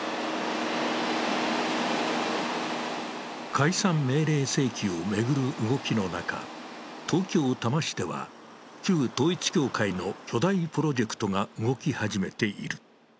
解散命令請求を巡る動きの中、東京・多摩市では旧統一教会の巨大プロジェクトが動き始めている。